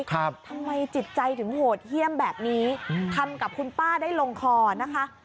ทำไมจิตใจถึงโหดเยี่ยมแบบนี้ทำกับคุณป้าได้ลงคอนะคะ